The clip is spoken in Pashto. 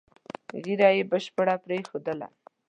ږیره یې بشپړه پرېښودله.